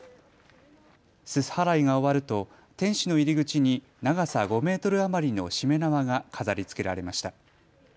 すす払いが終わると天守の入り口に長さ５メートル余りのしめ縄が飾りつけられました。